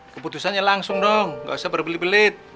keputusannya langsung dong nggak usah berbelit belit